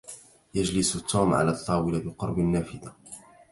يجلس توم على الطاولة بقرب النافذة.